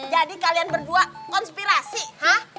jadi kalian berdua konspirasi ha